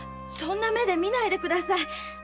そんな目で見ないでください。